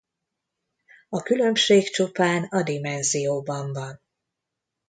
A különbség csupán a dimenzióban van.